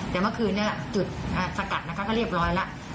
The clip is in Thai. แต่เมื่อคืนนี้จุดสกัดนะคะก็เรียบร้อยแล้ว